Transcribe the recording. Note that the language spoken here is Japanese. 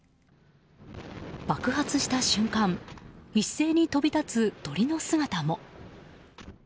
爆発した瞬間一斉に飛び立つ鳥の姿も。